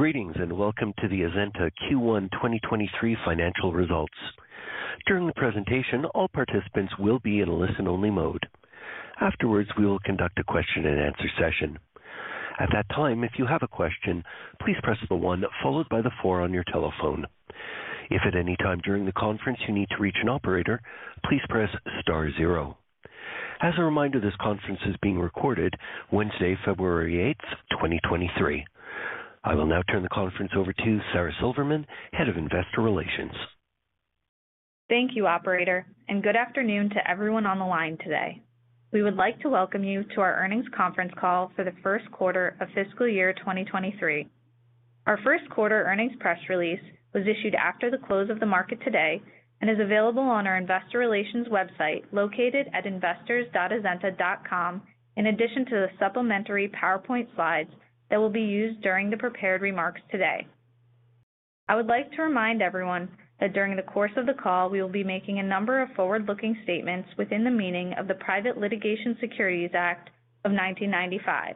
Greetings, welcome to the Azenta Q1 2023 financial results. During the presentation, all participants will be in a listen-only mode. Afterwards, we will conduct a question-and-answer session. At that time, if you have a question, please press one followed by four on your telephone. If at any time during the conference you need to reach an operator, please press star zero. As a reminder, this conference is being recorded Wednesday, February 8th, 2023. I will now turn the conference over to Sara Silverman, Head of Investor Relations. Thank you, operator. Good afternoon to everyone on the line today. We would like to welcome you to our earnings conference call for the first quarter of fiscal year 2023. Our first quarter earnings press release was issued after the close of the market today and is available on our investor relations website located at investors.azenta.com, in addition to the supplementary PowerPoint slides that will be used during the prepared remarks today. I would like to remind everyone that during the course of the call, we will be making a number of forward-looking statements within the meaning of the Private Litigation Securities Act of 1995.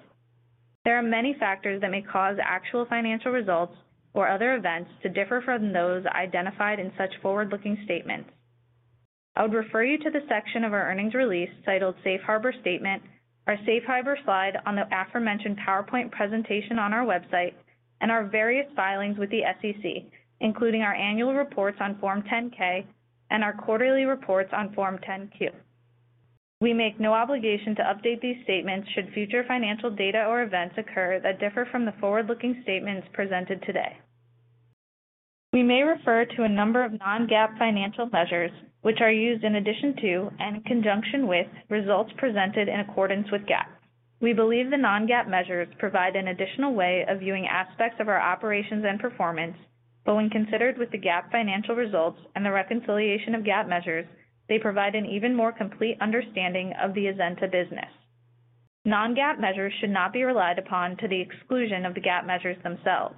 There are many factors that may cause actual financial results or other events to differ from those identified in such forward-looking statements. I would refer you to the section of our earnings release titled Safe Harbor Statement, our Safe Harbor slide on the aforementioned PowerPoint presentation on our website, and our various filings with the SEC, including our annual reports on Form 10-K and our quarterly reports on Form 10-Q. We make no obligation to update these statements should future financial data or events occur that differ from the forward-looking statements presented today. We may refer to a number of non-GAAP financial measures, which are used in addition to and in conjunction with results presented in accordance with GAAP. We believe the non-GAAP measures provide an additional way of viewing aspects of our operations and performance, but when considered with the GAAP financial results and the reconciliation of GAAP measures, they provide an even more complete understanding of the Azenta business. Non-GAAP measures should not be relied upon to the exclusion of the GAAP measures themselves.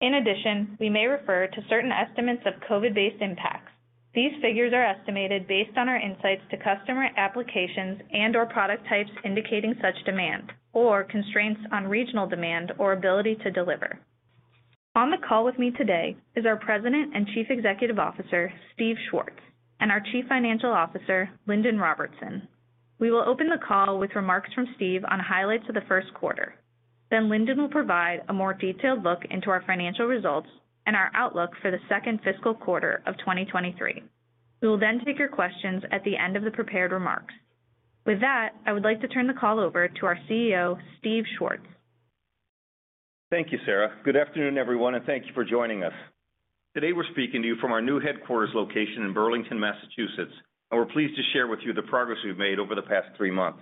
In addition, we may refer to certain estimates of COVID-based impacts. These figures are estimated based on our insights to customer applications and/or product types indicating such demand or constraints on regional demand or ability to deliver. On the call with me today is our President and Chief Executive Officer, Steve Schwartz, and our Chief Financial Officer, Lindon Robertson. We will open the call with remarks from Steve on highlights of the first quarter. Lindon will provide a more detailed look into our financial results and our outlook for the second fiscal quarter of 2023. We will take your questions at the end of the prepared remarks. With that, I would like to turn the call over to our CEO, Steve Schwartz. Thank you, Sara. Good afternoon, everyone, and thank you for joining us. Today, we're speaking to you from our new headquarters location in Burlington, Massachusetts, and we're pleased to share with you the progress we've made over the past three months.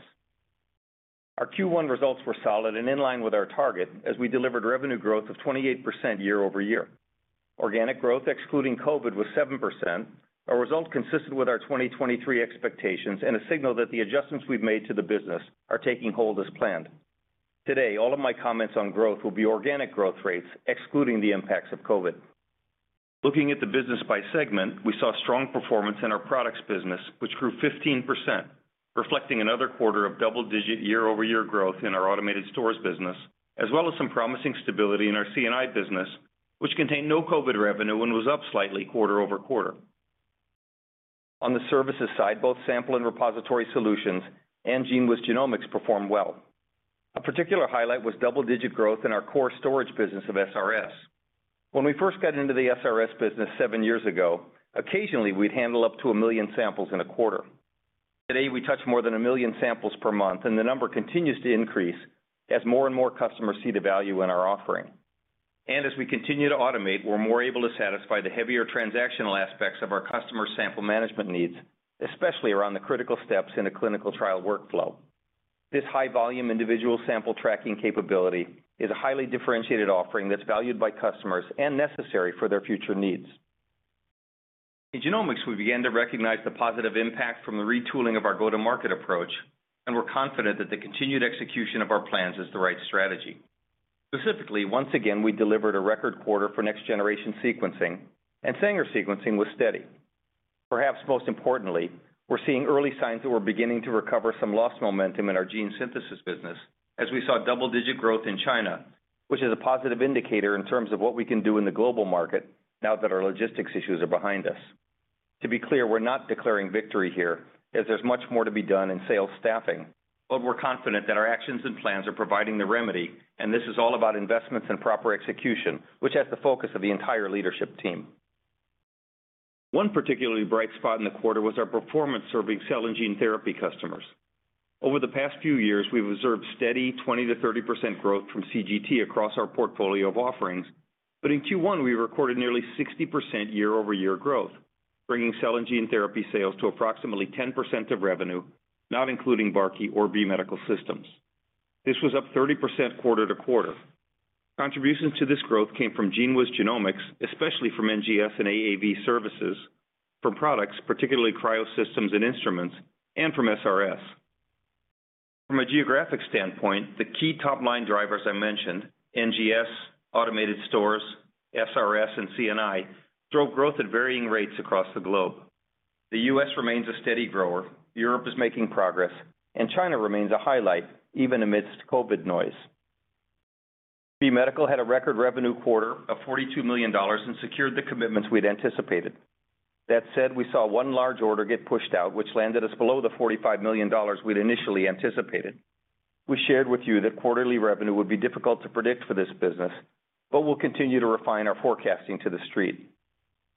Our Q1 results were solid and in line with our target as we delivered revenue growth of 28% year-over-year. Organic growth excluding COVID was 7%, a result consistent with our 2023 expectations and a signal that the adjustments we've made to the business are taking hold as planned. Today, all of my comments on growth will be organic growth rates excluding the impacts of COVID. Looking at the business by segment, we saw strong performance in our products business, which grew 15%, reflecting another quarter of double-digit year-over-year growth in our automated stores business, as well as some promising stability in our C&I business, which contained no COVID revenue and was up slightly quarter-over-quarter. On the services side, both Sample Repository Solutions and GENEWIZ Genomics performed well. A particular highlight was double-digit growth in our core storage business of SRS. When we first got into the SRS business seven years ago, occasionally we'd handle up to a million samples in a quarter. Today, we touch more than a million samples per month, and the number continues to increase as more and more customers see the value in our offering. As we continue to automate, we're more able to satisfy the heavier transactional aspects of our customer sample management needs, especially around the critical steps in a clinical trial workflow. This high-volume individual sample tracking capability is a highly differentiated offering that's valued by customers and necessary for their future needs. In genomics, we began to recognize the positive impact from the retooling of our go-to-market approach, and we're confident that the continued execution of our plans is the right strategy. Specifically, once again, we delivered a record quarter for next-generation sequencing and Sanger sequencing was steady. Perhaps most importantly, we're seeing early signs that we're beginning to recover some lost momentum in our Gene Synthesis business as we saw double-digit growth in China, which is a positive indicator in terms of what we can do in the global market now that our logistics issues are behind us. To be clear, we're not declaring victory here, as there's much more to be done in sales staffing. We're confident that our actions and plans are providing the remedy, and this is all about investments and proper execution, which has the focus of the entire leadership team. One particularly bright spot in the quarter was our performance serving cell and gene therapy customers. Over the past few years, we've observed steady 20%-30% growth from CGT across our portfolio of offerings. In Q1, we recorded nearly 60% year-over-year growth, bringing cell and gene therapy sales to approximately 10% of revenue, not including Barkey or B Medical Systems. This was up 30% quarter-to-quarter. Contributions to this growth came from GENEWIZ Genomics, especially from NGS and AAV services, from products, particularly cryo systems and instruments, and from SRS. From a geographic standpoint, the key top-line drivers I mentioned, NGS, automated stores, SRS, and C&I, drove growth at varying rates across the globe. The U.S. remains a steady grower, Europe is making progress, and China remains a highlight even amidst COVID noise. B Medical had a record revenue quarter of $42 million and secured the commitments we'd anticipated. That said, we saw one large order get pushed out, which landed us below the $45 million we'd initially anticipated. We shared with you that quarterly revenue would be difficult to predict for this business, but we'll continue to refine our forecasting to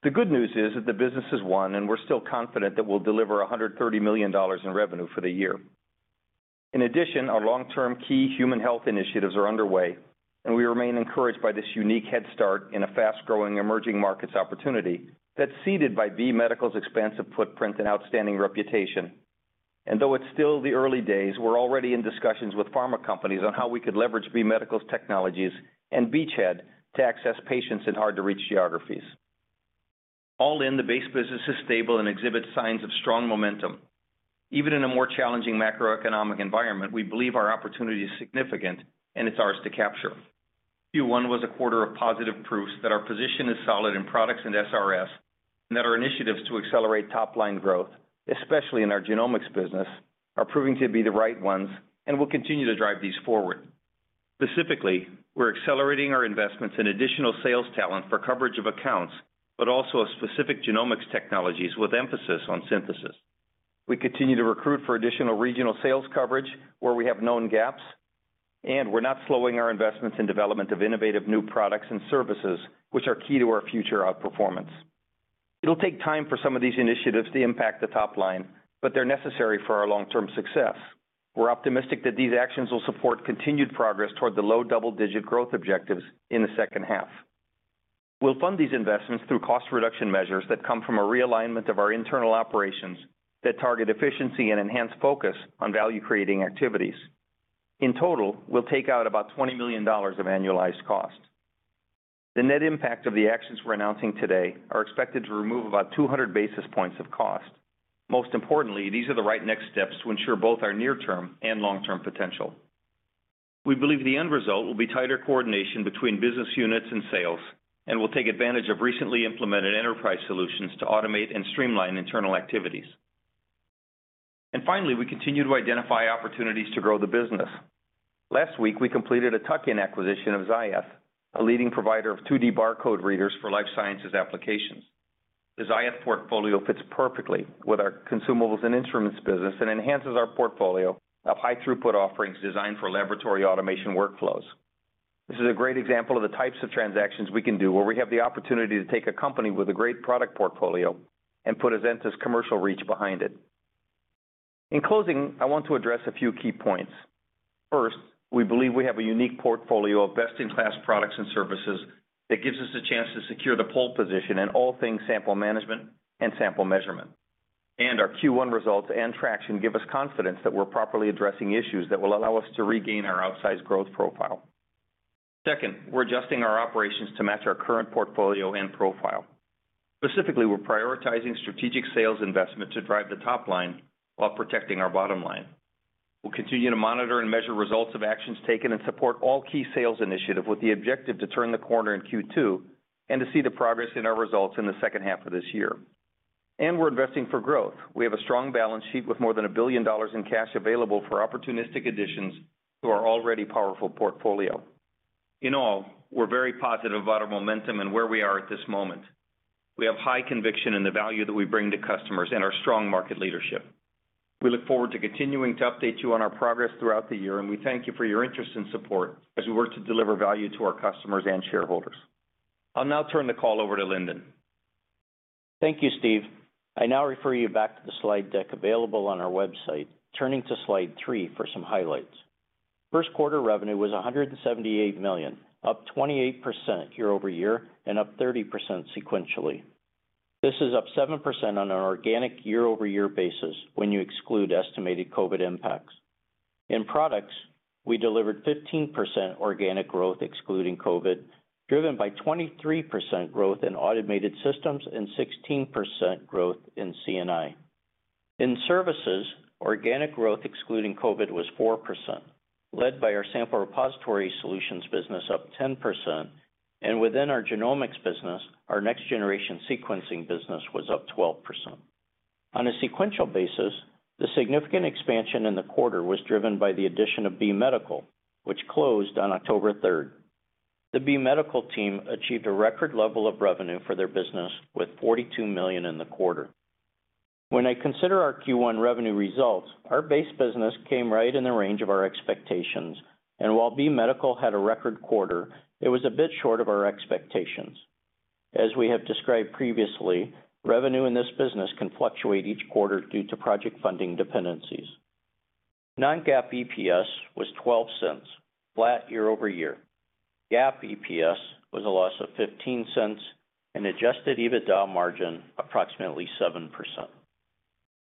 the street. The good news is that the business has won, and we're still confident that we'll deliver $130 million in revenue for the year. In addition, our long-term key human health initiatives are underway, and we remain encouraged by this unique headstart in a fast-growing emerging markets opportunity that's seeded by B Medical's expansive footprint and outstanding reputation. Though it's still the early days, we're already in discussions with pharma companies on how we could leverage B Medical's technologies and beachhead to access patients in hard-to-reach geographies. All in, the base business is stable and exhibits signs of strong momentum. Even in a more challenging macroeconomic environment, we believe our opportunity is significant, and it's ours to capture. Q1 was a quarter of positive proofs that our position is solid in products and SRS, and that our initiatives to accelerate top-line growth, especially in our genomics business, are proving to be the right ones and will continue to drive these forward. Specifically, we're accelerating our investments in additional sales talent for coverage of accounts, but also of specific genomics technologies with emphasis on synthesis. We continue to recruit for additional regional sales coverage where we have known gaps, and we're not slowing our investments in development of innovative new products and services, which are key to our future outperformance. It'll take time for some of these initiatives to impact the top line, but they're necessary for our long-term success. We're optimistic that these actions will support continued progress toward the low double-digit growth objectives in the second half. We'll fund these investments through cost reduction measures that come from a realignment of our internal operations that target efficiency and enhanced focus on value-creating activities. In total, we'll take out about $20 million of annualized costs. The net impact of the actions we're announcing today are expected to remove about 200 basis points of cost. Most importantly, these are the right next steps to ensure both our near-term and long-term potential. We believe the end result will be tighter coordination between business units and sales, and we'll take advantage of recently implemented enterprise solutions to automate and streamline internal activities. Finally, we continue to identify opportunities to grow the business. Last week, we completed a tuck-in acquisition of Ziath, a leading provider of 2D barcode readers for life sciences applications. The Ziath portfolio fits perfectly with our consumables and instruments business and enhances our portfolio of high-throughput offerings designed for laboratory automation workflows. This is a great example of the types of transactions we can do where we have the opportunity to take a company with a great product portfolio and put Azenta's commercial reach behind it. In closing, I want to address a few key points. First, we believe we have a unique portfolio of best-in-class products and services that gives us a chance to secure the pole position in all things sample management and sample measurement. Our Q1 results and traction give us confidence that we're properly addressing issues that will allow us to regain our outsized growth profile. Second, we're adjusting our operations to match our current portfolio and profile. Specifically, we're prioritizing strategic sales investment to drive the top line while protecting our bottom line. We'll continue to monitor and measure results of actions taken and support all key sales initiative with the objective to turn the corner in Q2, and to see the progress in our results in the second half of this year. We're investing for growth. We have a strong balance sheet with more than $1 billion in cash available for opportunistic additions to our already powerful portfolio. In all, we're very positive about our momentum and where we are at this moment. We have high conviction in the value that we bring to customers and our strong market leadership. We look forward to continuing to update you on our progress throughout the year, and we thank you for your interest and support as we work to deliver value to our customers and shareholders. I'll now turn the call over to Lindon. Thank you, Steve. I now refer you back to the slide deck available on our website, turning to slide three for some highlights. First quarter revenue was $178 million, up 28% year-over-year and up 30% sequentially. This is up 7% on an organic year-over-year basis when you exclude estimated COVID impacts. In products, we delivered 15% organic growth excluding COVID, driven by 23% growth in automated systems and 16% growth in C&I. In services, organic growth excluding COVID was 4%, led by our Sample Repository Solutions business up 10%, and within our genomics business, our next-generation sequencing business was up 12%. On a sequential basis, the significant expansion in the quarter was driven by the addition of B Medical, which closed on October 3rd. The B Medical achieved a record level of revenue for their business with $42 million in the quarter. When I consider our Q1 revenue results, our base business came right in the range of our expectations, and while B Medical had a record quarter, it was a bit short of our expectations. As we have described previously, revenue in this business can fluctuate each quarter due to project funding dependencies. non-GAAP EPS was $0.12, flat year-over-year. GAAP EPS was a loss of $0.15, and adjusted EBITDA margin approximately 7%.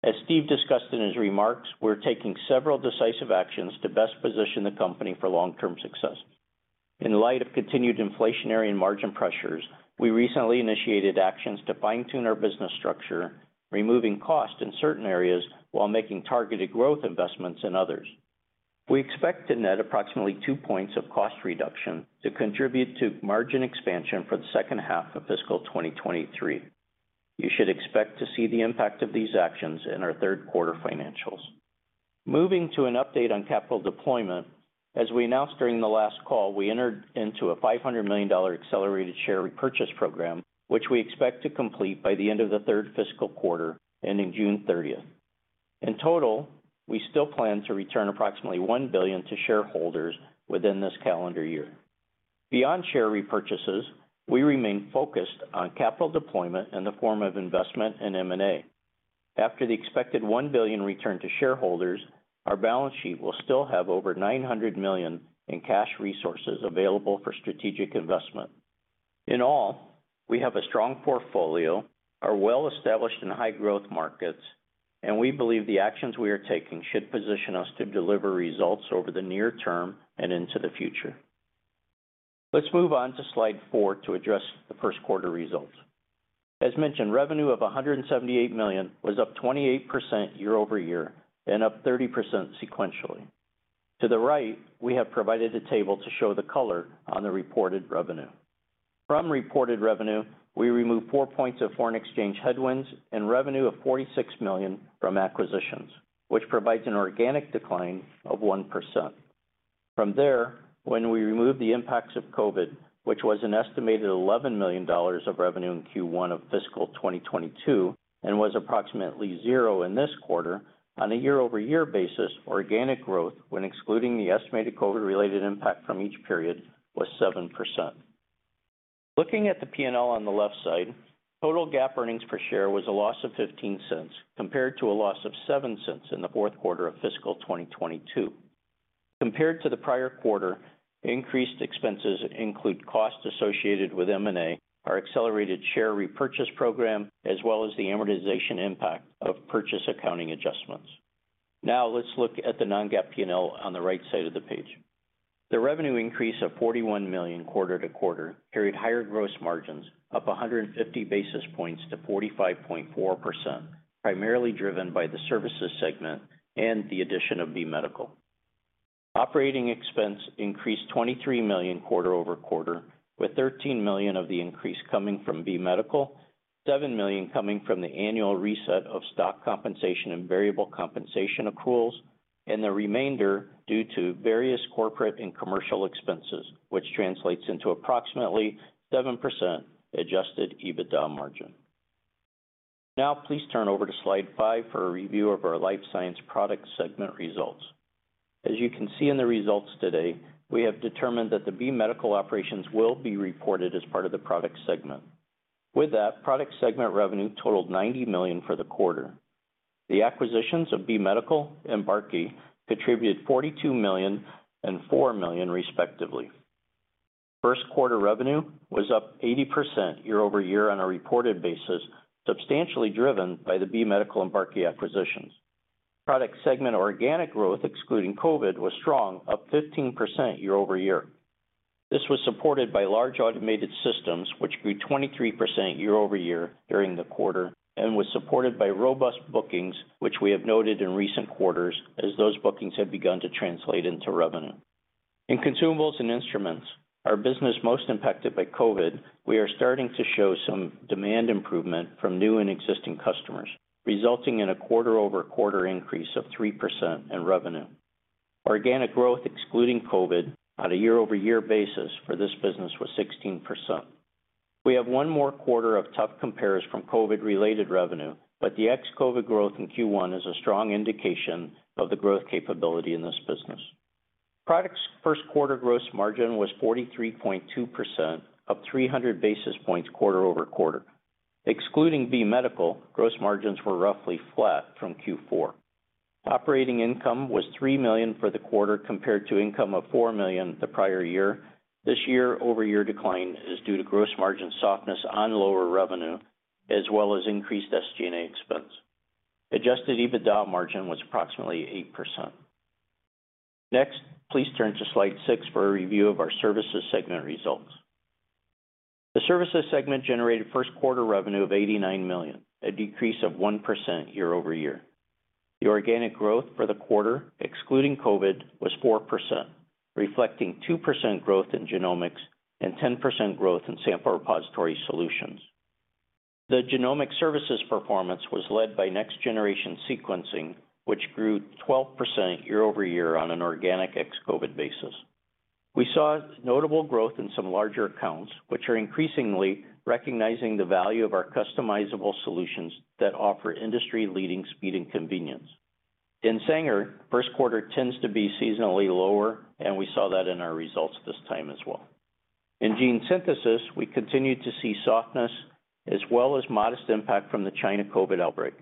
As Steve discussed in his remarks, we're taking several decisive actions to best position the company for long-term success. In light of continued inflationary and margin pressures, we recently initiated actions to fine-tune our business structure, removing costs in certain areas while making targeted growth investments in others. We expect to net approximately two points of cost reduction to contribute to margin expansion for the second half of fiscal 2023. You should expect to see the impact of these actions in our third quarter financials. Moving to an update on capital deployment. As we announced during the last call, we entered into a $500 million accelerated share repurchase program, which we expect to complete by the end of the third fiscal quarter, ending June 30th. In total, we still plan to return approximately $1 billion to shareholders within this calendar year. Beyond share repurchases, we remain focused on capital deployment in the form of investment in M&A. After the expected $1 billion return to shareholders, our balance sheet will still have over $900 million in cash resources available for strategic investment. In all, we have a strong portfolio, are well established in high growth markets, we believe the actions we are taking should position us to deliver results over the near term and into the future. Let's move on to slide four to address the first quarter results. As mentioned, revenue of $178 million was up 28% year-over-year and up 30% sequentially. To the right, we have provided a table to show the color on the reported revenue. From reported revenue, we remove 4 points of foreign exchange headwinds and revenue of $46 million from acquisitions, which provides an organic decline of 1%. When we remove the impacts of COVID, which was an estimated $11 million of revenue in Q1 of fiscal 2022 and was approximately zero in this quarter. On a year-over-year basis, organic growth, when excluding the estimated COVID-related impact from each period, was 7%. Looking at the P&L on the left side, total GAAP earnings per share was a loss of $0.15 compared to a loss of $0.07 in the fourth quarter of fiscal 2022. Compared to the prior quarter, increased expenses include costs associated with M&A, our accelerated share repurchase program, as well as the amortization impact of purchase accounting adjustments. Let's look at the non-GAAP P&L on the right side of the page. The revenue increase of $41 million quarter-to-quarter carried higher gross margins up 150 basis points to 45.4%, primarily driven by the services segment and the addition of B Medical. Operating expense increased $23 million quarter-over-quarter, with $13 million of the increase coming from B Medical, $7 million coming from the annual reset of stock compensation and variable compensation accruals, and the remainder due to various corporate and commercial expenses, which translates into approximately 7% adjusted EBITDA margin. Please turn over to slide five for a review of our life science product segment results. As you can see in the results today, we have determined that the B Medical operations will be reported as part of the product segment. Product segment revenue totaled $90 million for the quarter. The acquisitions of B Medical and Barkey contributed $42 million and $4 million, respectively. First quarter revenue was up 80% year-over-year on a reported basis, substantially driven by the B Medical and Barkey acquisitions. Product segment organic growth excluding COVID was strong, up 15% year-over-year. This was supported by large automated systems, which grew 23% year-over-year during the quarter and was supported by robust bookings, which we have noted in recent quarters as those bookings have begun to translate into revenue. In consumables and instruments, our business most impacted by COVID, we are starting to show some demand improvement from new and existing customers, resulting in a quarter-over-quarter increase of 3% in revenue. Organic growth excluding COVID on a year-over-year basis for this business was 16%. We have one more quarter of tough compares from COVID-related revenue, but the ex-COVID growth in Q1 is a strong indication of the growth capability in this business. Products first quarter gross margin was 43.2%, up 300 basis points quarter-over-quarter. Excluding B Medical, gross margins were roughly flat from Q4. Operating income was $3 million for the quarter, compared to income of $4 million the prior year. This year-over-year decline is due to gross margin softness on lower revenue, as well as increased SG&A expense. Adjusted EBITDA margin was approximately 8%. Please turn to slide six for a review of our services segment results. The services segment generated first quarter revenue of $89 million, a decrease of 1% year-over-year. The organic growth for the quarter, excluding COVID, was 4%, reflecting 2% growth in genomics and 10% growth in Sample Repository Solutions. The genomic services performance was led by next-generation sequencing, which grew 12% year-over-year on an organic ex-COVID basis. We saw notable growth in some larger accounts, which are increasingly recognizing the value of our customizable solutions that offer industry-leading speed and convenience. In Sanger, first quarter tends to be seasonally lower, and we saw that in our results this time as well. In Gene Synthesis, we continued to see softness as well as modest impact from the China COVID outbreak.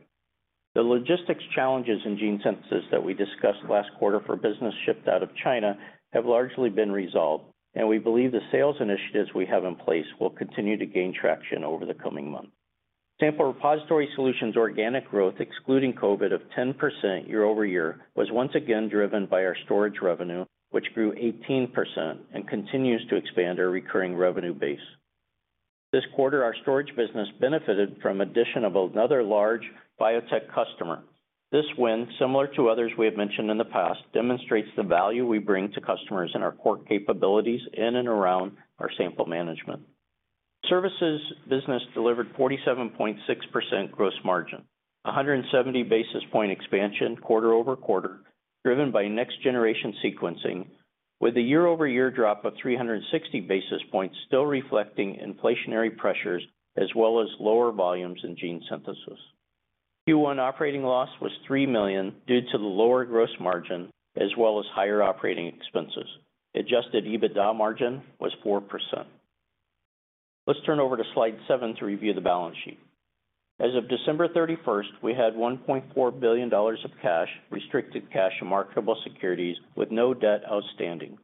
The logistics challenges in Gene Synthesis that we discussed last quarter for business shipped out of China have largely been resolved, and we believe the sales initiatives we have in place will continue to gain traction over the coming months. Sample Repository Solutions organic growth excluding COVID of 10% year-over-year was once again driven by our storage revenue, which grew 18% and continues to expand our recurring revenue base. This quarter, our storage business benefited from addition of another large biotech customer. This win, similar to others we have mentioned in the past, demonstrates the value we bring to customers in our core capabilities in and around our sample management. Services business delivered 47.6% gross margin, a 170 basis point expansion quarter-over-quarter, driven by next-generation sequencing, with a year-over-year drop of 360 basis points still reflecting inflationary pressures as well as lower volumes in Gene Synthesis. Q1 operating loss was $3 million due to the lower gross margin as well as higher operating expenses. Adjusted EBITDA margin was 4%. Let's turn over to slide seven to review the balance sheet. As of December 31st, we had $1.4 billion of cash, restricted cash, and marketable securities, with no debt outstanding.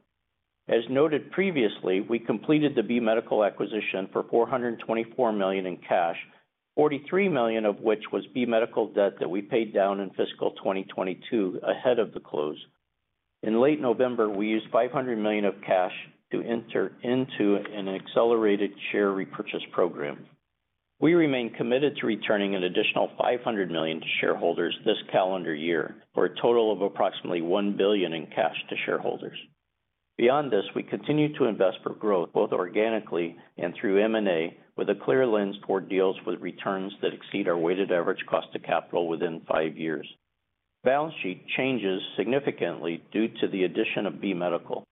As noted previously, we completed the B Medical acquisition for $424 million in cash, $43 million of which was B Medical debt that we paid down in fiscal 2022 ahead of the close. In late November, we used $500 million of cash to enter into an accelerated share repurchase program. We remain committed to returning an additional $500 million to shareholders this calendar year, for a total of approximately $1 billion in cash to shareholders. Beyond this, we continue to invest for growth, both organically and through M&A, with a clear lens toward deals with returns that exceed our weighted average cost of capital within five years. Balance sheet changes significantly due to the addition of B Medical.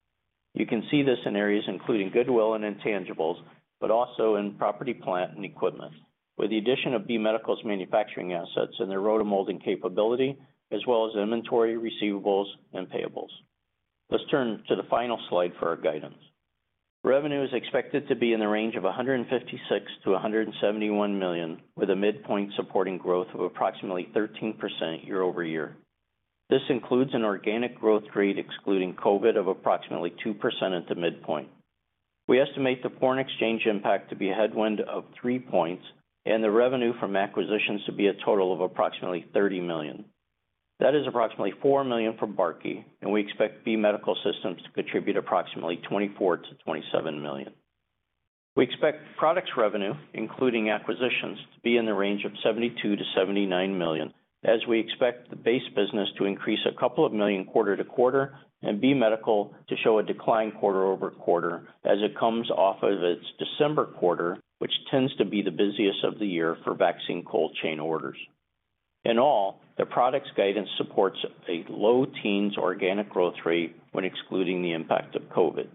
You can see this in areas including goodwill and intangibles, but also in property, plant, and equipment. With the addition of B Medical's manufacturing assets and their rotomolding capability, as well as inventory, receivables, and payables. Let's turn to the final slide for our guidance. Revenue is expected to be in the range of $156 million-$171 million, with a midpoint supporting growth of approximately 13% year-over-year. This includes an organic growth rate excluding COVID of approximately 2% at the midpoint. We estimate the foreign exchange impact to be a headwind of three points and the revenue from acquisitions to be a total of approximately $30 million. That is approximately $4 million from Barkey, and we expect B Medical Systems to contribute approximately $24 million-$27 million. We expect products revenue, including acquisitions, to be in the range of $72 million-$79 million, as we expect the base business to increase $2 million quarter-to-quarter, and B Medical to show a decline quarter-over-quarter as it comes off of its December quarter, which tends to be the busiest of the year for vaccine cold chain orders. The products guidance supports a low teens organic growth rate when excluding the impact of COVID.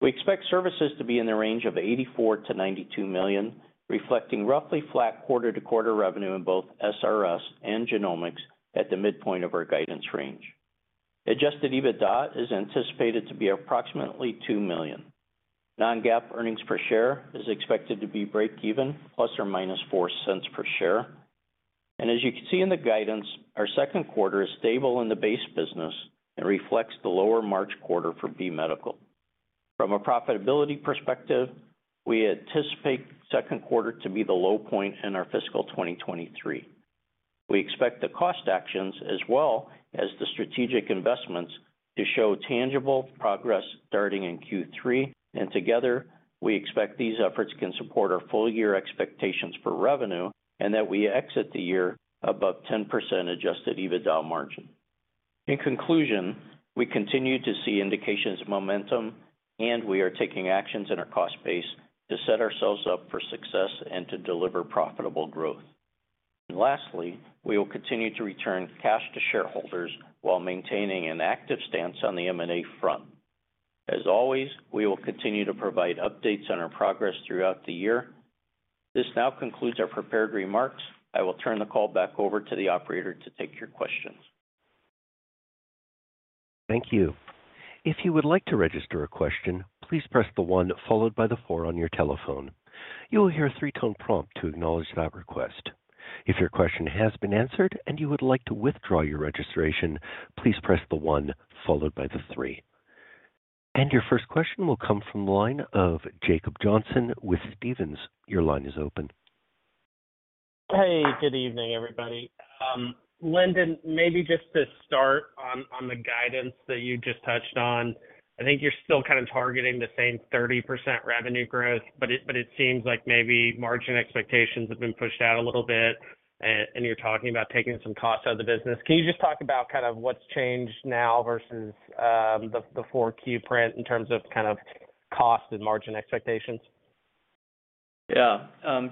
We expect services to be in the range of $84 million-$92 million, reflecting roughly flat quarter-to-quarter revenue in both SRS and genomics at the midpoint of our guidance range. adjusted EBITDA is anticipated to be approximately $2 million. non-GAAP earnings per share is expected to be breakeven, ±$0.04 per share. As you can see in the guidance, our second quarter is stable in the base business and reflects the lower March quarter for B Medical. From a profitability perspective, we anticipate second quarter to be the low point in our fiscal 2023. We expect the cost actions as well as the strategic investments to show tangible progress starting in Q3. Together, we expect these efforts can support our full year expectations for revenue and that we exit the year above 10% adjusted EBITDA margin. In conclusion, we continue to see indications of momentum, and we are taking actions in our cost base to set ourselves up for success and to deliver profitable growth. Lastly, we will continue to return cash to shareholders while maintaining an active stance on the M&A front. As always, we will continue to provide updates on our progress throughout the year. This now concludes our prepared remarks. I will turn the call back over to the operator to take your questions. Thank you. If you would like to register a question, please press the one followed by the four on your telephone. You will hear a three-tone prompt to acknowledge that request. If your question has been answered and you would like to withdraw your registration, please press the one followed by the three. Your first question will come from the line of Jacob Johnson with Stephens. Your line is open. Good evening, everybody. Lindon, maybe just to start on the guidance that you just touched on, I think you're still kind of targeting the same 30% revenue growth, but it seems like maybe margin expectations have been pushed out a little bit and you're talking about taking some costs out of the business. Can you just talk about kind of what's changed now versus the 4Q print in terms of kind of cost and margin expectations? Yeah.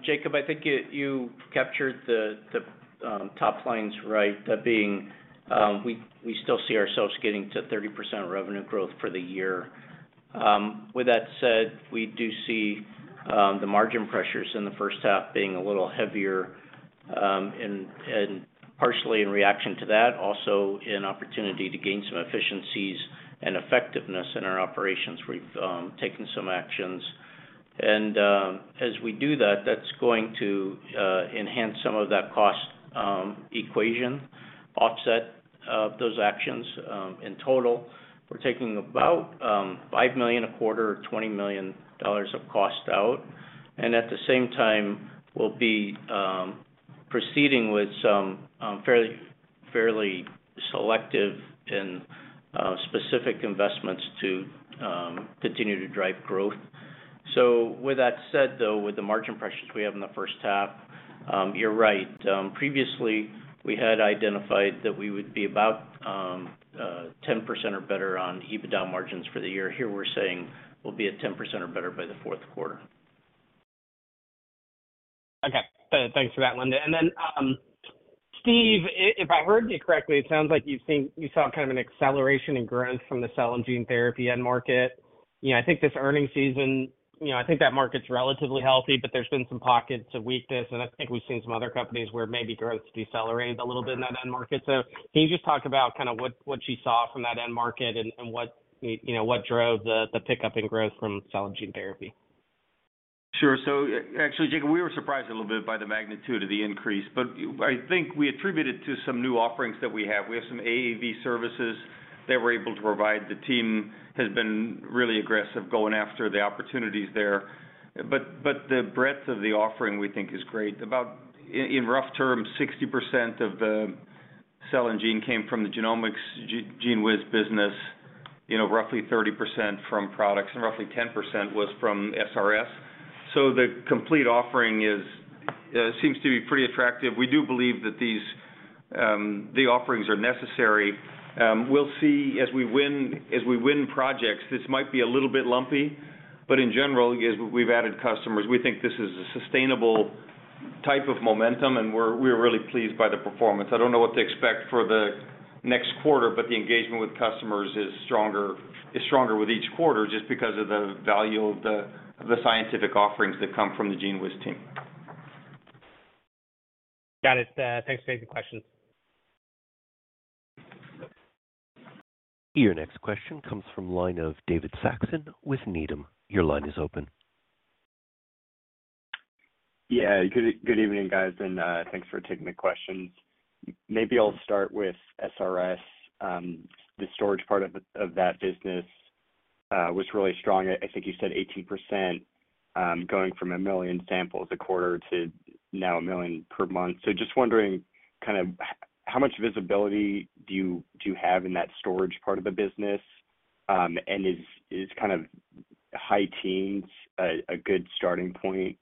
Jacob, I think you captured the top lines right. That being, we still see ourselves getting to 30% revenue growth for the year. With that said, we do see the margin pressures in the first half being a little heavier, and partially in reaction to that, also an opportunity to gain some efficiencies and effectiveness in our operations. We've taken some actions. As we do that's going to enhance some of that cost equation, offset those actions. In total, we're taking about $5 million a quarter or $20 million of cost out. At the same time, we'll be proceeding with some fairly selective and specific investments to continue to drive growth. With that said, though, with the margin pressures we have in the first half, you're right. Previously, we had identified that we would be about 10% or better on EBITDA margins for the year. Here, we're saying we'll be at 10% or better by the fourth quarter. Okay. Thanks for that, Lindon. Then, Steve, if I heard you correctly, it sounds like you think you saw kind of an acceleration in growth from the cell and gene therapy end market. You know, I think this earning season, you know, I think that market's relatively healthy, but there's been some pockets of weakness, and I think we've seen some other companies where maybe growth decelerated a little bit in that end market. Can you just talk about kind of what you saw from that end market and what, you know, what drove the pickup in growth from cell and gene therapy? Sure. Actually, Jacob, we were surprised a little bit by the magnitude of the increase, but I think we attributed to some new offerings that we have. We have some AAV services that we're able to provide. The team has been really aggressive going after the opportunities there. The breadth of the offering, we think, is great. About in rough terms, 60% of the cell and gene came from the genomics GENEWIZ business, you know, roughly 30% from products, and roughly 10% was from SRS. The complete offering is seems to be pretty attractive. We do believe that these the offerings are necessary. we'll see as we win projects, this might be a little bit lumpy, but in general, as we've added customers, we think this is a sustainable type of momentum, and we're really pleased by the performance. I don't know what to expect for the next quarter, but the engagement with customers is stronger with each quarter just because of the value of the scientific offerings that come from the GENEWIZ team. Got it. Thanks. Great questions. Your next question comes from line of David Saxon with Needham. Your line is open. Yeah. Good evening, guys, and thanks for taking the questions. Maybe I'll start with SRS. The storage part of that business was really strong. I think you said 18%, going from one million samples a quarter to now one million per month. Just wondering kind of how much visibility do you have in that storage part of the business? Is kind of high teens a good starting point,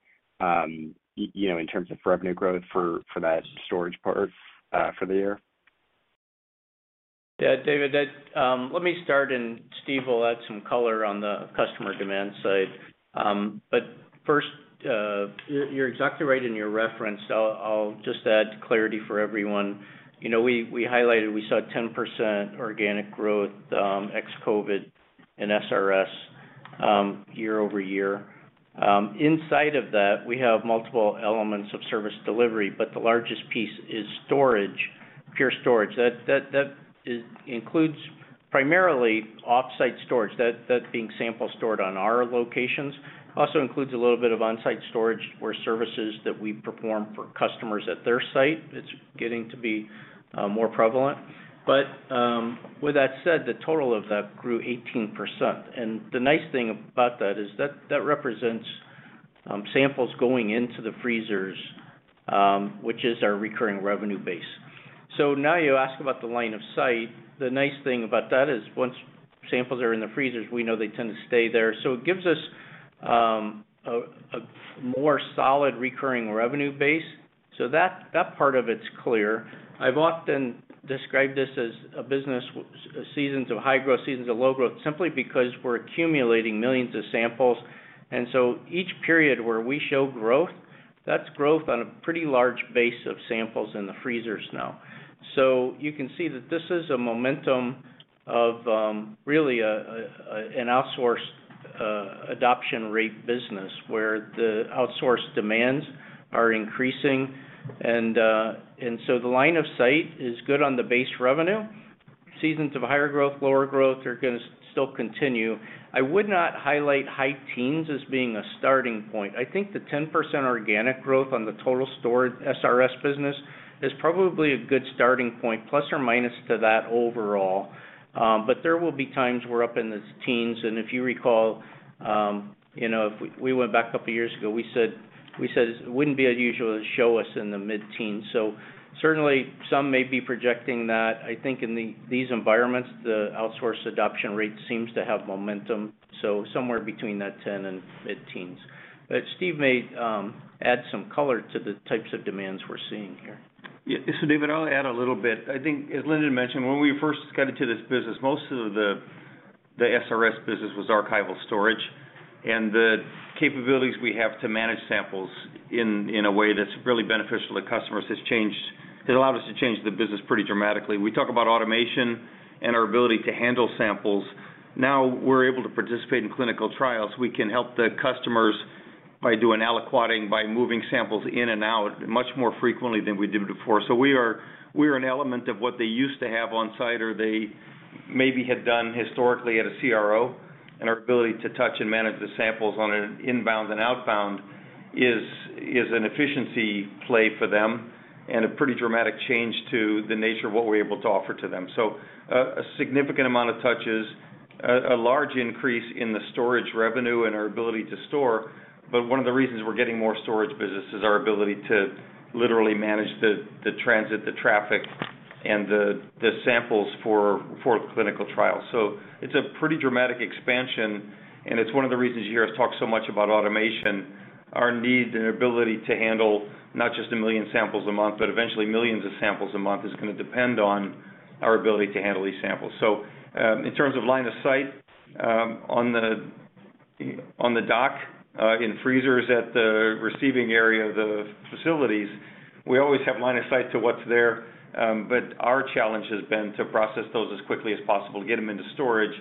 you know, in terms of revenue growth for that storage part for the year? Yeah. David, that, let me start, and Steve will add some color on the customer demand side. First, you're exactly right in your reference. I'll just add clarity for everyone. You know, we highlighted, we saw 10% organic growth ex-COVID in SRS year-over-year. Inside of that, we have multiple elements of service delivery, but the largest piece is storage, pure storage. That includes primarily off-site storage, that being sample stored on our locations. Also includes a little bit of on-site storage or services that we perform for customers at their site. It's getting to be more prevalent. With that said, the total of that grew 18%. The nice thing about that is that represents samples going into the freezers, which is our recurring revenue base. Now you ask about the line of sight. The nice thing about that is once samples are in the freezers, we know they tend to stay there. It gives us a more solid recurring revenue base. That, that part of it's clear. I've often described this as a business seasons of high growth, seasons of low growth, simply because we're accumulating millions of samples. Each period where we show growth, that's growth on a pretty large base of samples in the freezers now. You can see that this is a momentum of really an outsourced adoption rate business where the outsource demands are increasing. The line of sight is good on the base revenue. Seasons of higher growth, lower growth are gonna still continue. I would not highlight high teens as being a starting point. I think the 10% organic growth on the total stored SRS business is probably a good starting point, plus or minus to that overall. There will be times we're up in the teens. If you recall, you know, if we went back a couple years ago, we said it wouldn't be unusual to show us in the mid-teens. Certainly some may be projecting that. I think in these environments, the outsource adoption rate seems to have momentum, somewhere between that 10 and mid-teens. Steve may add some color to the types of demands we're seeing here. Yeah. David, I'll add a little bit. I think as Lindon mentioned, when we first got into this business, most of the SRS business was archival storage. The capabilities we have to manage samples in a way that's really beneficial to customers has changed. It allowed us to change the business pretty dramatically. We talk about automation and our ability to handle samples. Now we're able to participate in clinical trials. We can help the customers by doing aliquoting, by moving samples in and out much more frequently than we did before. We are an element of what they used to have on site, or they maybe had done historically at a CRO. Our ability to touch and manage the samples on an inbound and outbound is an efficiency play for them and a pretty dramatic change to the nature of what we're able to offer to them. A significant amount of touches. A large increase in the storage revenue and our ability to store. One of the reasons we're getting more storage business is our ability to literally manage the transit, the traffic, and the samples for clinical trials. It's a pretty dramatic expansion, and it's one of the reasons you hear us talk so much about automation. Our need and ability to handle not just 1 million samples a month, but eventually millions of samples a month, is gonna depend on our ability to handle these samples. In terms of line of sight, on the dock, in freezers at the receiving area of the facilities, we always have line of sight to what's there. Our challenge has been to process those as quickly as possible, get them into storage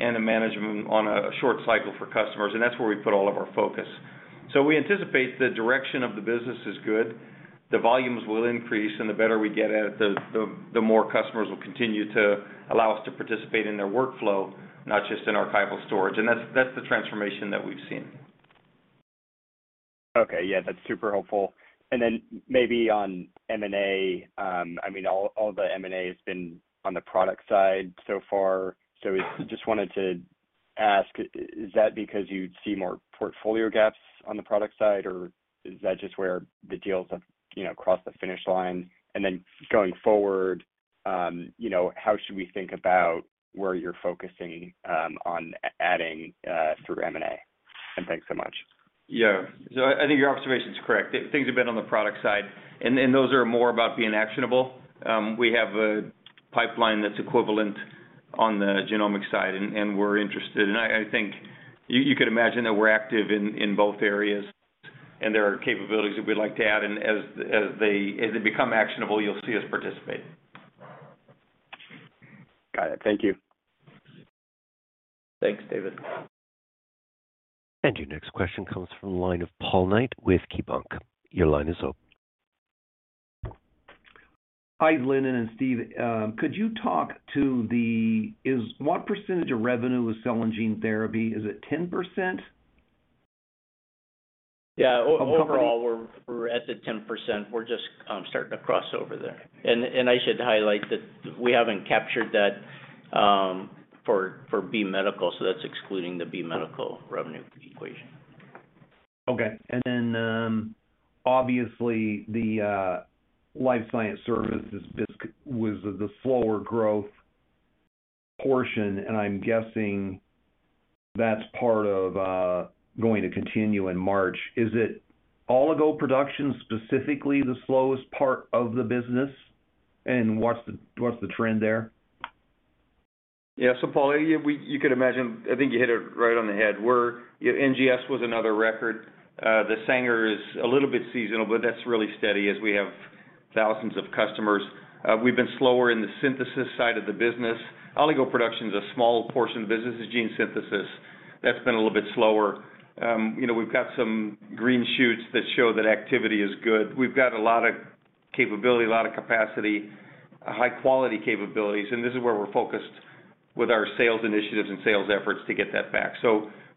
and to manage them on a short cycle for customers, and that's where we put all of our focus. We anticipate the direction of the business is good. The volumes will increase, the better we get at it, the more customers will continue to allow us to participate in their workflow, not just in archival storage. That's the transformation that we've seen. Okay. Yeah, that's super helpful. Then maybe on M&A, I mean, all the M&A has been on the product side so far. Just wanted to ask, is that because you see more portfolio gaps on the product side, or is that just where the deals have, you know, crossed the finish line? Then going forward, you know, how should we think about where you're focusing, on adding, through M&A? Thanks so much. Yeah. I think your observation is correct. Things have been on the product side, and those are more about being actionable. We have a pipeline that's equivalent on the genomic side, and we're interested. I think you could imagine that we're active in both areas, and there are capabilities that we'd like to add. As they become actionable, you'll see us participate. Got it. Thank you. Thanks, David. Your next question comes from the line of Paul Knight with KeyBanc. Your line is open. Hi, Lindon and Steve. Is what percentage of revenue is cell and gene therapy? Is it 10%? Yeah. Of company.... we're at the 10%. We're just starting to cross over there. I should highlight that we haven't captured that for B Medical, so that's excluding the B Medical revenue equation. Okay. Then, obviously, the life science services was the slower growth portion, and I'm guessing that's part of going to continue in March. Is it oligo production specifically the slowest part of the business, and what's the trend there? Paul, you could imagine. I think you hit it right on the head. We're, you know, NGS was another record. The Sanger is a little bit seasonal, but that's really steady as we have thousands of customers. We've been slower in the synthesis side of the business. oligo production is a small portion of the business. It's Gene Synthesis. That's been a little bit slower. You know, we've got some green shoots that show that activity is good. We've got a lot of capability, a lot of capacity, high-quality capabilities, and this is where we're focused with our sales initiatives and sales efforts to get that back.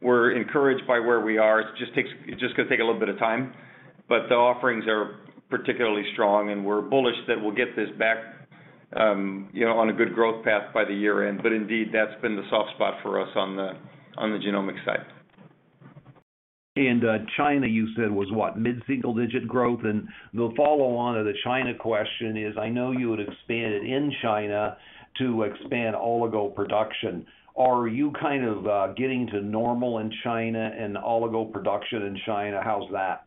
We're encouraged by where we are. It's just gonna take a little bit of time, but the offerings are particularly strong, and we're bullish that we'll get this back, you know, on a good growth path by the year-end. Indeed, that's been the soft spot for us on the genomic side. China, you said, was what? Mid-single digit growth. The follow-on of the China question is, I know you had expanded in China to expand oligo production. Are you kind of getting to normal in China and oligo production in China? How's that?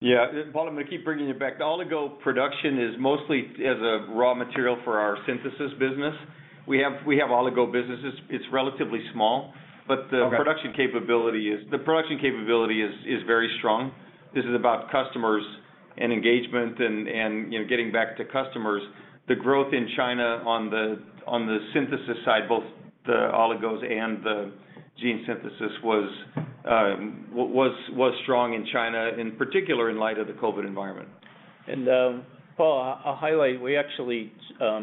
Yeah. Paul, I'm gonna keep bringing it back. The oligo production is mostly as a raw material for our synthesis business. We have oligo businesses. It's relatively small. Okay. Production capability is very strong. This is about customers and engagement and, you know, getting back to customers. The growth in China on the synthesis side, both the oligos and the Gene Synthesis, was strong in China, in particular in light of the COVID environment. Paul, I'll highlight, we actually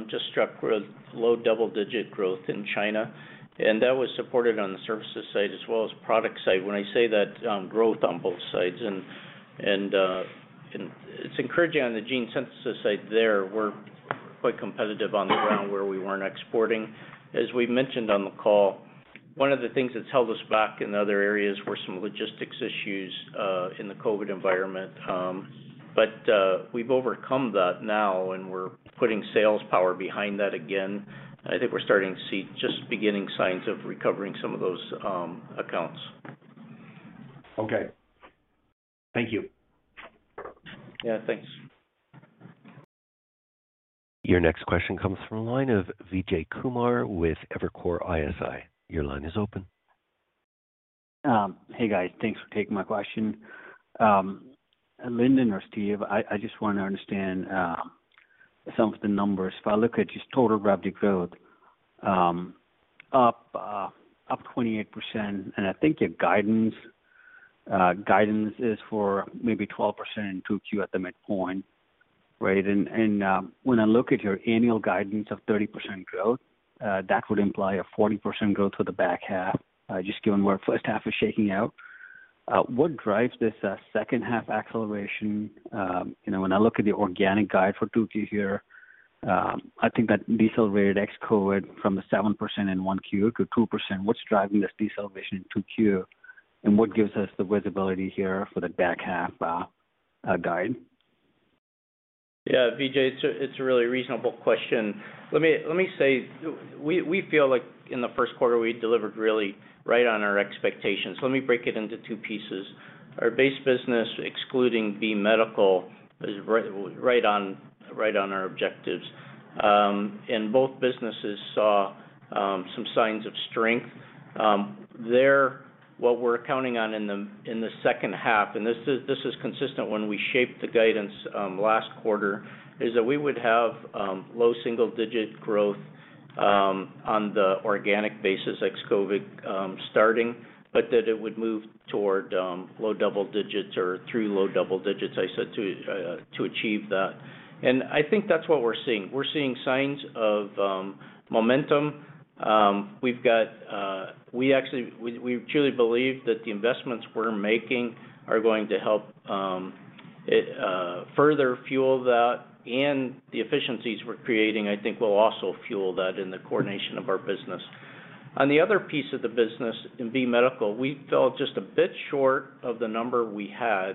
just struck growth, low double-digit growth in China, and that was supported on the services side as well as product side. When I say that, growth on both sides and it's encouraging on the Gene Synthesis side there. We're quite competitive on the ground where we weren't exporting. As we mentioned on the call, one of the things that's held us back in other areas were some logistics issues in the COVID environment. We've overcome that now, and we're putting sales power behind that again. I think we're starting to see just beginning signs of recovering some of those accounts. Okay. Thank you. Yeah, thanks. Your next question comes from the line of Vijay Kumar with Evercore ISI. Your line is open. Hey, guys. Thanks for taking my question. Lindon or Steve, I just wanna understand some of the numbers. If I look at just total graphic growth, up 28%, I think your guidance is for maybe 12% in 2Q at the midpoint, right? When I look at your annual guidance of 30% growth, that would imply a 40% growth for the back half, just given where first half is shaking out. What drives this second half acceleration? You know, when I look at the organic guide for 2Q here, I think that decelerated ex-COVID from the 7% in 1Q to 2%. What's driving this deceleration in 2Q, what gives us the visibility here for the back half guide? Yeah, Vijay, it's a really reasonable question. Let me say we feel like in the first quarter we delivered really right on our expectations. Let me break it into two pieces. Our base business, excluding B Medical, is right on our objectives. Both businesses saw some signs of strength. What we're counting on in the second half, this is consistent when we shaped the guidance last quarter, is that we would have low single-digit growth on the organic basis, ex-COVID, starting, that it would move toward low double-digits or through low double-digits, I said, to achieve that. I think that's what we're seeing. We're seeing signs of momentum. We've got, we truly believe that the investments we're making are going to help, it further fuel that and the efficiencies we're creating, I think will also fuel that in the coordination of our business. On the other piece of the business in B Medical, we fell just a bit short of the number we had,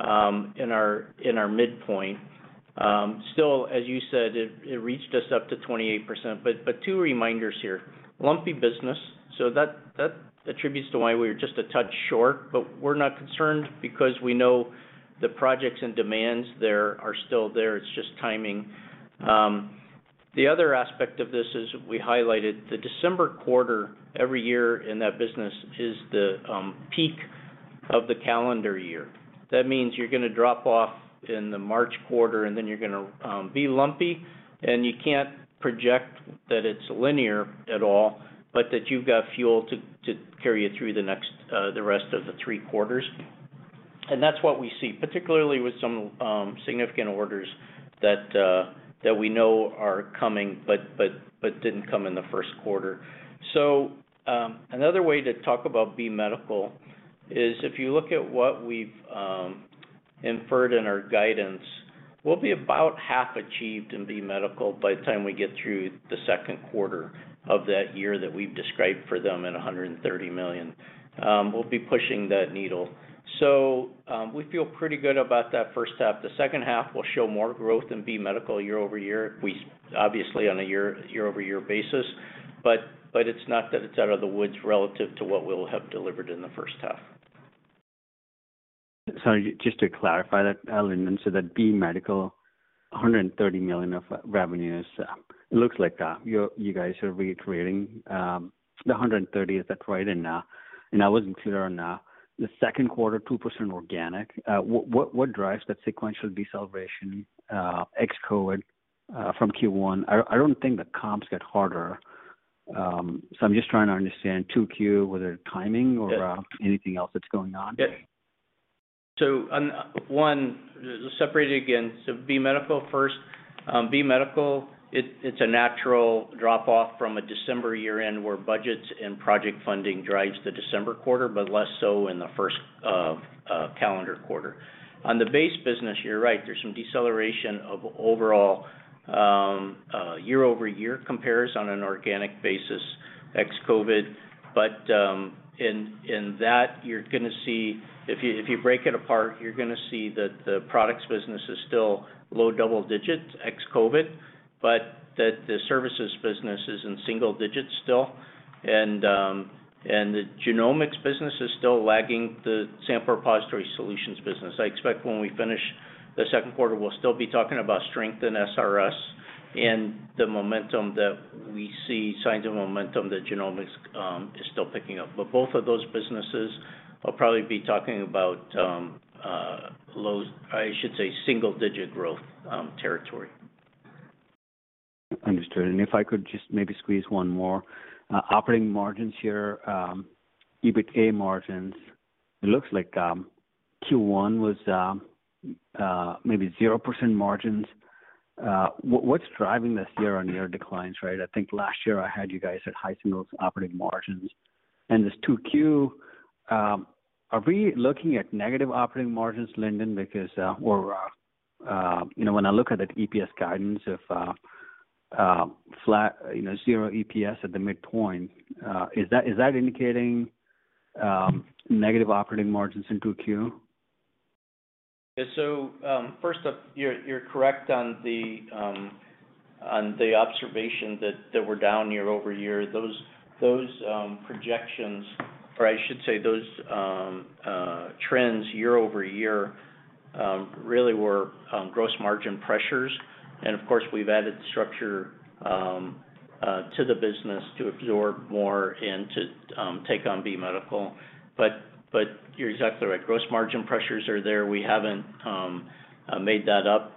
in our midpoint. Still, as you said, it reached us up to 28%. Two reminders here. Lumpy business, so that attributes to why we were just a touch short, but we're not concerned because we know the projects and demands there are still there. It's just timing. The other aspect of this is we highlighted the December quarter every year in that business is the peak of the calendar year. That means you're gonna drop off in the March quarter, then you're gonna be lumpy, and you can't project that it's linear at all, but that you've got fuel to carry you through the rest of the three quarters. That's what we see, particularly with some significant orders that we know are coming, but didn't come in the first quarter. Another way to talk about B Medical is if you look at what we've inferred in our guidance, we'll be about half achieved in B Medical by the time we get through the second quarter of that year that we've described for them at $130 million. We'll be pushing that needle. We feel pretty good about that first half. The second half will show more growth in B Medical year-over-year. We obviously on a year-over-year basis, but it's not that it's out of the woods relative to what we'll have delivered in the first half. Sorry, just to clarify that, Lindon, so that B Medical, $130 million of revenues, it looks like, you guys are reiterating, the 130. Is that right? I wasn't clear on the second quarter, 2% organic. What, what drives that sequential deceleration, ex-COVID, from Q1? I don't think the comps get harder. So I'm just trying to understand 2Q, was it timing or anything else that's going on? Yeah. One, separate it again. B Medical first. B Medical, it's a natural drop-off from a December year-end where budgets and project funding drives the December quarter, but less so in the first calendar quarter. On the base business, you're right, there's some deceleration of overall year-over-year compares on an organic basis, ex-COVID. In that, if you break it apart, you're gonna see that the products business is still low double digits, ex-COVID, but that the services business is in single digits still. And the genomics business is still lagging the Sample Repository Solutions business. I expect when we finish the second quarter, we'll still be talking about strength in SRS and the momentum that we see, signs of momentum that genomics is still picking up. Both of those businesses will probably be talking about, low, I should say single digit growth, territory. Understood. If I could just maybe squeeze one more. Operating margins here, EBITDA margins, it looks like Q1 was maybe 0% margins. What's driving this year-over-year declines, right? I think last year I had you guys at high singles operating margins. This 2Q, are we looking at negative operating margins, Lindon? Because, or, you know, when I look at that EPS guidance of flat, you know, 0 EPS at the midpoint, is that, is that indicating negative operating margins in 2Q? Yeah. First up, you're correct on the observation that we're down year-over-year. Those projections or I should say those trends year over year really were gross margin pressures. Of course, we've added structure to the business to absorb more and to take on B Medical. You're exactly right. Gross margin pressures are there. We haven't made that up.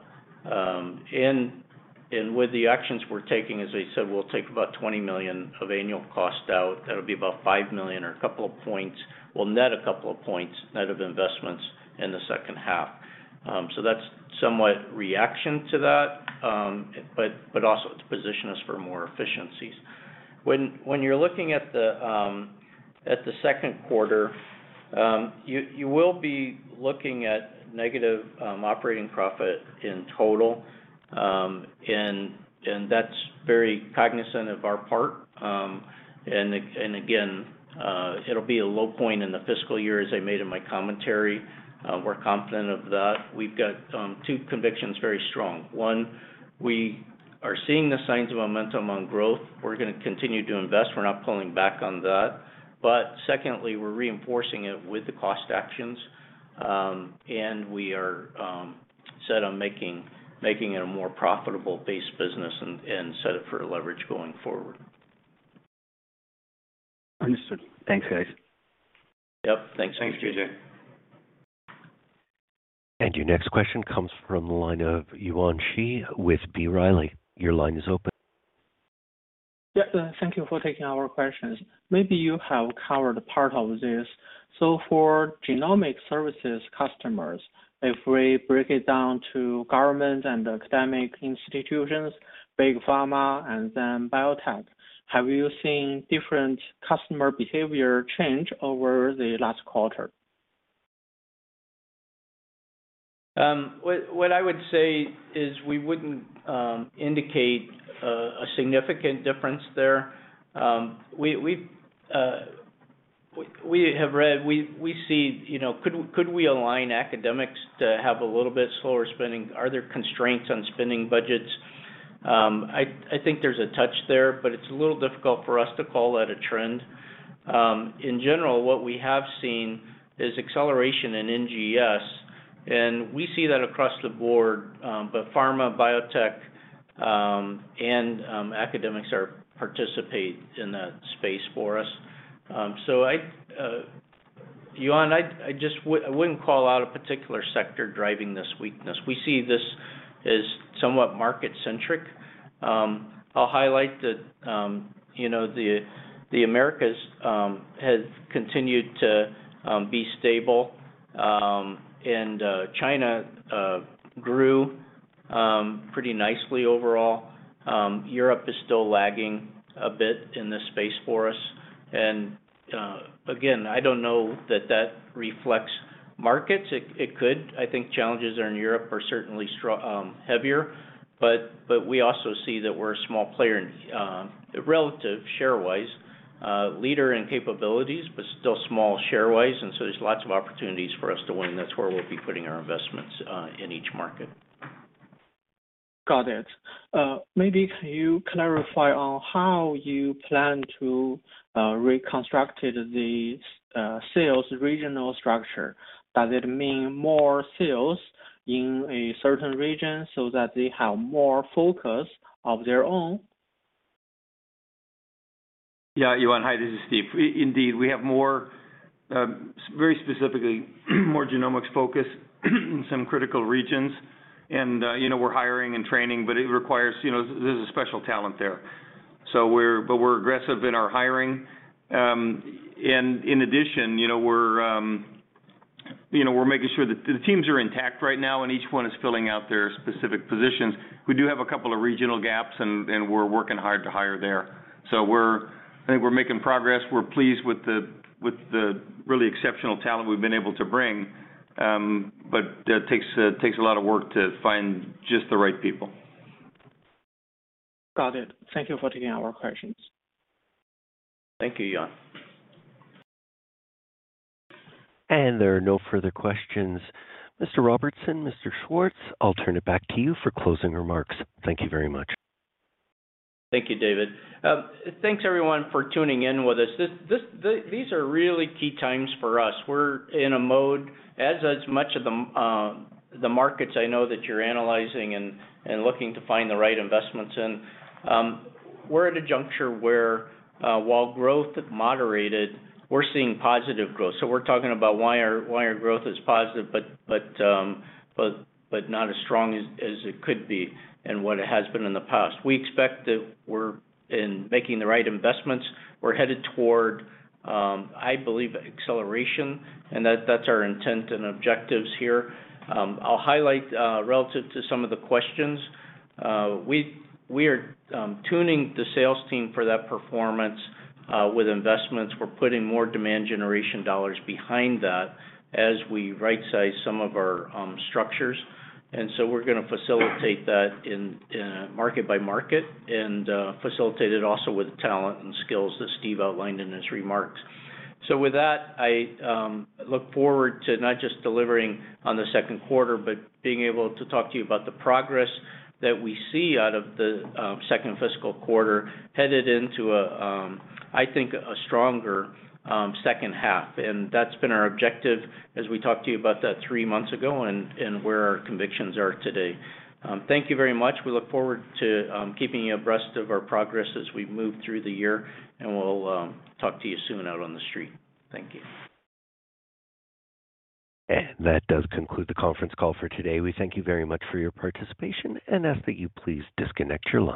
With the actions we're taking, as I said, we'll take about $20 million of annual cost out. That'll be about $5 million or a couple of points. We'll net a couple of points net of investments in the second half. That's somewhat reaction to that. Also to position us for more efficiencies. When you're looking at the at the second quarter, you will be looking at negative operating profit in total. That's very cognizant of our part. Again, it'll be a low point in the fiscal year, as I made in my commentary. We're confident of that. We've got two convictions very strong. One, we are seeing the signs of momentum on growth. We're gonna continue to invest. We're not pulling back on that. Secondly, we're reinforcing it with the cost actions. We are set on making it a more profitable base business and set it for leverage going forward. Understood. Thanks, guys. Yep. Thanks. Thanks, Vijay. Your next question comes from the line of Yuan Zhi with B. Riley. Your line is open. Yeah, thank you for taking our questions. Maybe you have covered part of this. For genomic services customers, if we break it down to government and academic institutions, big pharma and then biotech, have you seen different customer behavior change over the last quarter? What I would say is we wouldn't indicate a significant difference there. We have read, we see, you know, could we align academics to have a little bit slower spending? Are there constraints on spending budgets? I think there's a touch there, but it's a little difficult for us to call that a trend. In general, what we have seen is acceleration in NGS, and we see that across the board. Pharma, biotech, and academics are participate in that space for us. Yuan, I wouldn't call out a particular sector driving this weakness. We see this as somewhat market-centric. I'll highlight that, you know, the Americas has continued to be stable. China grew pretty nicely overall. Europe is still lagging a bit in this space for us. Again, I don't know that that reflects markets. It could. I think challenges are in Europe are certainly heavier, but we also see that we're a small player in relative share-wise, leader in capabilities, but still small share-wise, and so there's lots of opportunities for us to win. That's where we'll be putting our investments in each market. Got it. Maybe can you clarify on how you plan to reconstructed the sales regional structure? Does it mean more sales in a certain region so that they have more focus of their own? Yuan, hi, this is Steve. Indeed, we have more, very specifically, more genomics focus in some critical regions and, you know, we're hiring and training, but it requires, you know, there's a special talent there. We're aggressive in our hiring. In addition, you know, we're, you know, we're making sure that the teams are intact right now and each one is filling out their specific positions. We do have a couple of regional gaps and we're working hard to hire there. I think we're making progress. We're pleased with the really exceptional talent we've been able to bring. That takes a lot of work to find just the right people. Got it. Thank you for taking our questions. Thank you, Yuan. There are no further questions. Mr. Robertson, Mr. Schwartz, I'll turn it back to you for closing remarks. Thank you very much. Thank you, David. Thanks everyone for tuning in with us. These are really key times for us. We're in a mode as much of the markets I know that you're analyzing and looking to find the right investments in, we're at a juncture where while growth moderated, we're seeing positive growth. We're talking about why our, why our growth is positive, but not as strong as it could be and what it has been in the past. We expect that we're in making the right investments. We're headed toward I believe acceleration, and that's our intent and objectives here. I'll highlight relative to some of the questions, we are tuning the sales team for that performance with investments. We're putting more demand generation dollars behind that as we right size some of our structures. We're gonna facilitate that in market by market and facilitate it also with talent and skills that Steve outlined in his remarks. I look forward to not just delivering on the second quarter, but being able to talk to you about the progress that we see out of the second fiscal quarter headed into a I think a stronger second half. That's been our objective as we talked to you about that three months ago and where our convictions are today. Thank you very much. We look forward to keeping you abreast of our progress as we move through the year, and we'll talk to you soon out on the street. Thank you. That does conclude the conference call for today. We thank you very much for your participation and ask that you please disconnect your line.